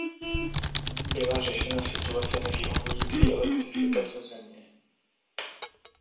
Byla řešena situace nevyhovující elektrifikace země.